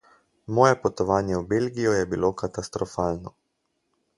Moje potovanje v Belgijo je bilo katastrofalno.